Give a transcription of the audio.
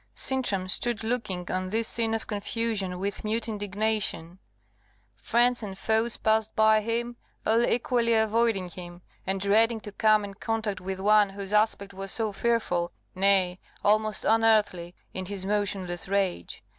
Sintram stood looking on this scene of confusion with mute indignation; friends and foes passed by him, all equally avoiding him, and dreading to come in contact with one whose aspect was so fearful, nay, almost unearthly, in his motionless rage.